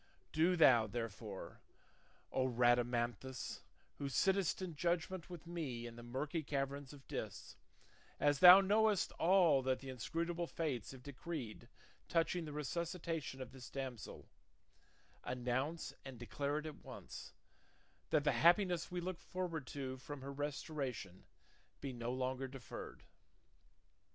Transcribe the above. Do thou, therefore, O Rhadamanthus, who sittest in judgment with me in the murky caverns of Dis, as thou knowest all that the inscrutable fates have decreed touching the resuscitation of this damsel, announce and declare it at once, that the happiness we look forward to from her restoration be no longer deferred."